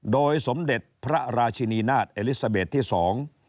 โดยสมเด็จพระราชินีนาฏเอลิซาเบสที่สอง